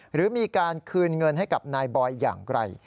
หรือมีการคืนเงินให้กับนายบอยอย่างไกล